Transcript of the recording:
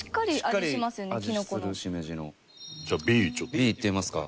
Ｂいってみますか。